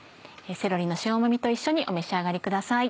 「セロリの塩もみ」と一緒にお召し上がりください。